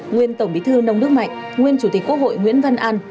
nguyên tổng bí thư nông đức mạnh nguyên chủ tịch quốc hội nguyễn văn an